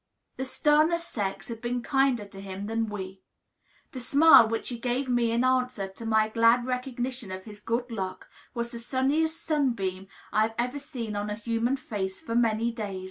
The "sterner sex" had been kinder to him than we. The smile which he gave me in answer to my glad recognition of his good luck was the sunniest sunbeam I have seen on a human face for many a day.